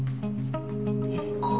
えっ？